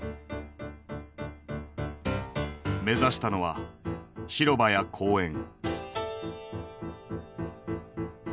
目指したのは広場や公園。